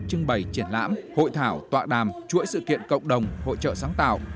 trưng bày triển lãm hội thảo tọa đàm chuỗi sự kiện cộng đồng hội trợ sáng tạo